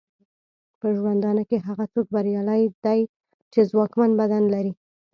په ژوندانه کې هغه څوک بریالی دی چې ځواکمن بدن لري.